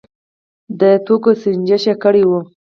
د توکو سنجش کړی و.